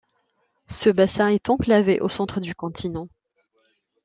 Ce bassin est enclavé au centre du continent.